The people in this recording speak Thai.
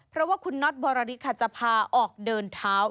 เพราะว่าคุณน็อตบริษฐค่ะจะพาออกเดินเท้า